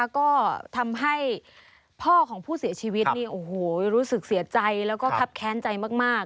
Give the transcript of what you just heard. ก็ทำให้พ่อของผู้เสียชีวิตรู้สึกเสียใจแล้วก็คับแค้นใจมาก